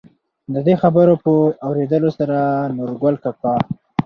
د دې خبرو په اورېدلو سره نورګل کاکا،